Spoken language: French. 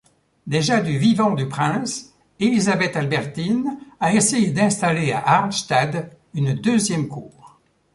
Déjà du vivant du prince, Élisabeth-Albertine a essayé d'installer à Arnstadt une deuxième Cour.